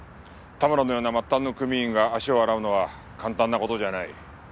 田村のような末端の組員が足を洗うのは簡単な事じゃない。